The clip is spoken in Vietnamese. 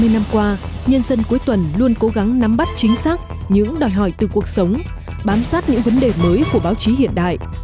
hai mươi năm qua nhân dân cuối tuần luôn cố gắng nắm bắt chính xác những đòi hỏi từ cuộc sống bám sát những vấn đề mới của báo chí hiện đại